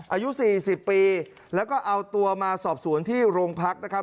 อายุ๔๐ปีแล้วก็เอาตัวมาสอบสวนที่โรงพักนะครับ